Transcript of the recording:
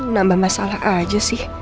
nambah masalah aja sih